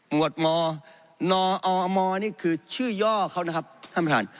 วดมนอมนี่คือชื่อย่อเขานะครับท่านประธาน